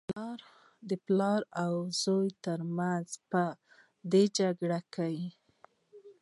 د پلار او زوى تر منځ په دې جګړه کې.